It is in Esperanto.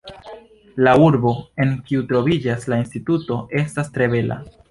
La urbo, en kiu troviĝas la instituto, estas tre bela!